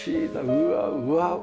うわうわ。